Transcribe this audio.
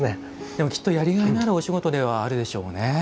でもきっとやりがいのあるお仕事ではあるでしょうね